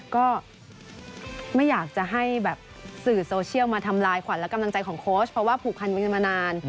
ก็ไม่อยากจะให้แบบสื่อโซเชียลมาทำลายขวัญและกำลังใจของโค้ชเพราะว่าผูกพันกันมานาน